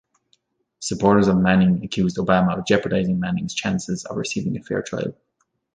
Supporters of Manning accused Obama of jeopardising Manning's chances of receiving a fair trial.